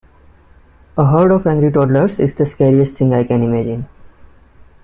A horde of angry toddlers is the scariest thing I can imagine.